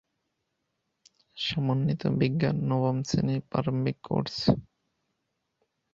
সমন্বিত বিজ্ঞান নবম শ্রেণীর প্রারম্ভিক কোর্স।